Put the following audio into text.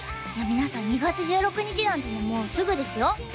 皆さん２月１６日なんてねもうすぐですよ